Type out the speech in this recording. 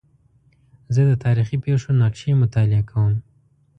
زه د تاریخي پېښو نقشې مطالعه کوم.